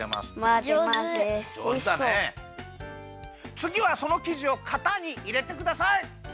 つぎはそのきじをかたにいれてください。